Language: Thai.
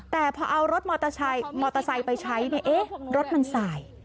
แต่พอเอารถมอเตอร์ไซค์ไปใช้รถมันสาย